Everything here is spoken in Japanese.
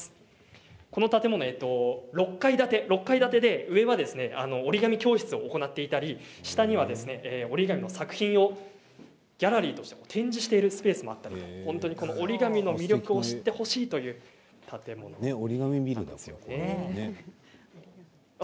この建物、６階建てで上では折り紙教室を行っていたり下には折り紙の作品をギャラリーとして展示しているスペースがあったり折り紙の魅力を知ってほしいという建物です。